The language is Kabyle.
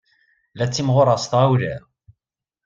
La ttimɣureɣ s tɣawla.